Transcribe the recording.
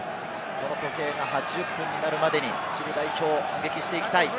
この時計が８０分になるまでにチリ、反撃していきたい。